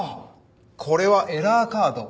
これはエラーカード。